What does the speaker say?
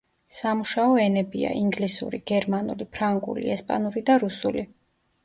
სამუშაო ენებია: ინგლისური, გერმანული, ფრანგული, ესპანური და რუსული.